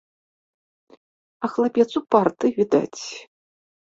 А хлапец упарты, відаць.